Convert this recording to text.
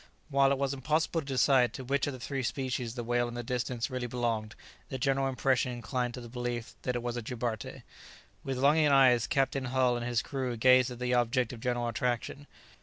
While it was impossible to decide to which of the three species the whale in the distance really belonged, the general impression inclined to the belief that it was a jubarte. With longing eyes Captain Hull and his crew gazed at the object of general attraction.